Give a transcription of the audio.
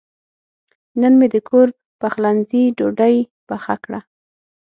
نن مې د کور پخلنځي ډوډۍ پخه کړه.